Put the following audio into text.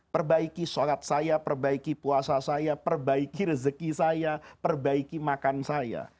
perbaiki sholat saya perbaiki puasa saya perbaiki rezeki saya perbaiki makan saya